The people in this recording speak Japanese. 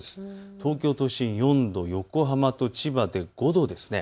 東京都心４度、横浜と千葉で５度です。